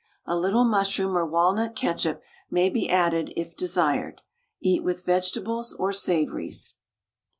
A little mushroom or walnut ketchup may be added it desired. Eat with vegetables or savouries.